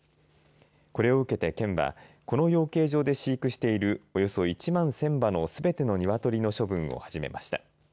これを受けて県は、この養鶏場で飼育しているおよそ１万１０００羽のすべてのニワトリの処分を始めました。